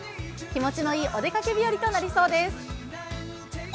気持ちのいいお出かけ日和となりそうです。